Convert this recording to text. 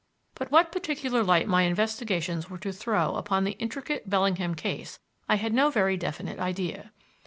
But what particular light my investigations were to throw upon the intricate Bellingham case I had no very definite idea.